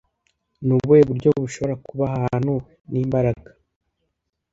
Ni ubuhe buryo bushobora kuba ahantu n'imbaraga